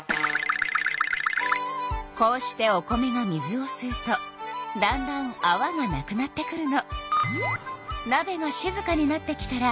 こうしてお米が水をすうとだんだんあわがなくなってくるの。